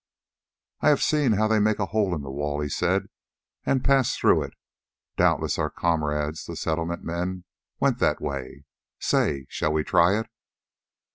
"I have seen how they make a hole in the wall," he said, "and pass through it. Doubtless our comrades, the Settlement men, went that way. Say, shall we try it?"